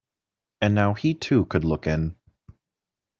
And now he too could look in.